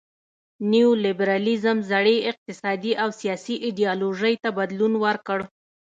نیو لیبرالیزم زړې اقتصادي او سیاسي ایډیالوژۍ ته بدلون ورکړ.